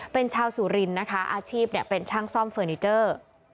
เป็นชาวสุรินทร์นะคะอาชีพเป็นช่างซ่อมเฟอร์นิเจอร์